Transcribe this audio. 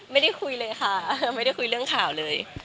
ไม่ได้คุยเลยค่ะไม่ได้คุยเรื่องข่าวเลย